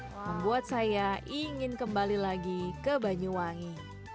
membuat saya ingin kembali lagi ke banyuwangi